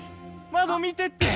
窓見てって。